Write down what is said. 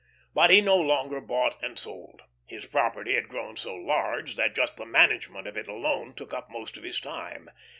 But he no longer bought and sold. His property had grown so large that just the management of it alone took up most of his time.